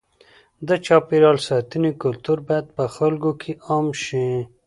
د چاپېریال ساتنې کلتور باید په خلکو کې عام شي.